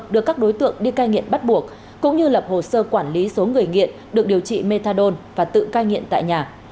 đưa các đối tượng đi cai nghiện bắt buộc cũng như lập hồ sơ quản lý số người nghiện được điều trị methadone và tự cai nghiện tại nhà